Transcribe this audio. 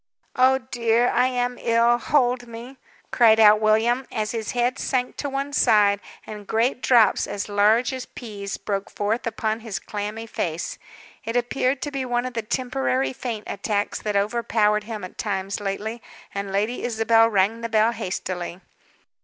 "Oh, dear, I am ill. Hold me!" cried out William, as his head sank to one side, and great drops, as large as peas, broke forth upon his clammy face. It appeared to be one of the temporary faint attacks that overpowered him at times lately, and Lady Isabel rang the bell hastily.